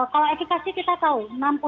kalau efekasi kita tahu